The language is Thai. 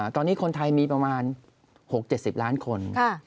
ตอนนี้คนไทยมีประมาณ๖๗๐ล้านคน